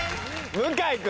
向井君。